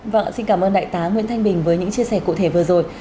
vâng xin cảm ơn đại tá nguyễn thanh bình với những chia sẻ cụ thể vừa rồi